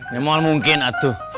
memang mungkin atu